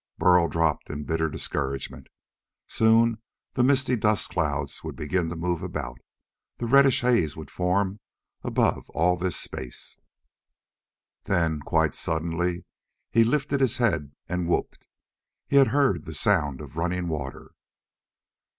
Burl dropped in bitter discouragement. Soon the misty dust clouds would begin to move about; the reddish haze would form above all this space.... Then, quite suddenly, he lifted his head and whooped. He had heard the sound of running water.